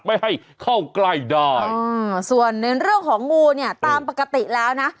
ไม่ให้เข้าใกล้ได้อ่าส่วนในเรื่องของงูเนี่ยตามปกติแล้วนะ